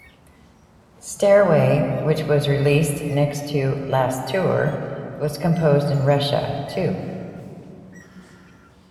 "Stairway" which was released next to "Last Tour" was composed in Russia, too.